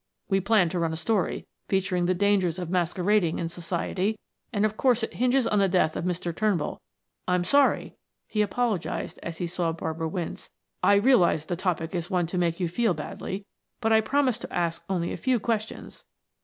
We plan to run a story, featuring the dangers of masquerading in society, and of course it hinges on the death of Mr. Turnbull. I'm sorry" he apologized as he saw Barbara wince. "I realize the topic is one to make you feel badly; but I promise to ask only few questions."